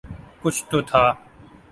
کچھ تو تھا۔